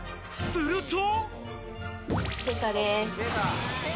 すると。